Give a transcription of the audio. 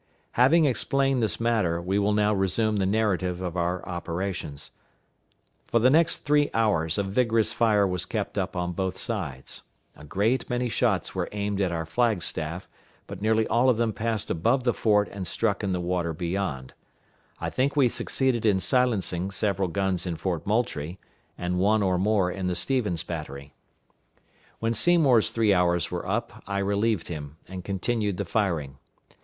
Having explained this matter, we will now resume the narrative of our operations. For the next three hours a vigorous fire was kept up on both sides. A great many shots were aimed at our flag staff, but nearly all of them passed above the fort and struck in the water beyond. I think we succeeded in silencing several guns in Fort Moultrie, and one or more in the Stevens battery. When Seymour's three hours were up, I relieved him, and continued the firing.